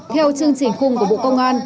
theo chương trình khung của bộ công an